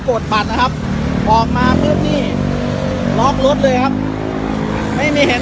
ดบัตรนะครับออกมาปุ๊บนี่ล็อกรถเลยครับไม่มีเห็น